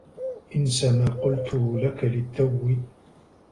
انس ما قلته لك للتّو.